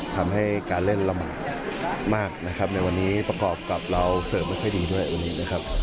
ทำให้การเล่นลำบากมากนะครับในวันนี้ประกอบกับเราเสริมไม่ค่อยดีด้วยวันนี้นะครับ